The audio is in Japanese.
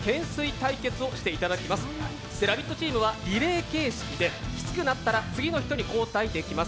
チームはリレー形式できつくなったら次の人に交代できます。